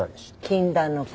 禁断の恋。